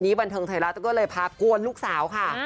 นี้บรรทงไทยรัฐก็เลยภาควนลูกสาวค่ะ